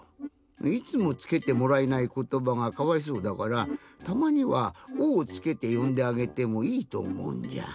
いつもつけてもらえないことばがかわいそうだからたまには「お」をつけてよんであげてもいいとおもうんじゃ。